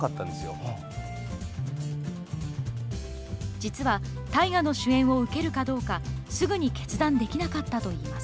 実は、大河の主演を受けるかどうか、すぐに決断できなかったといいます。